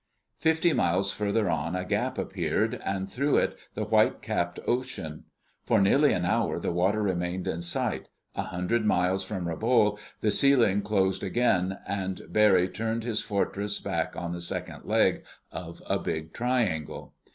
Fifty miles farther on a gap appeared, and through it the white capped ocean. For nearly an hour the water remained in sight. A hundred miles from Rabaul the ceiling closed again, and Barry turned his Fortress back on the second leg of a big triangle.